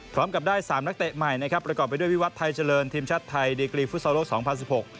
พร้อมกับได้สามนักเตะใหม่นะครับประกอบไปด้วยวิวัตรไทยเจริญทีมชาติไทยดีกรีฟุตซอลโลกสองพันสิบหก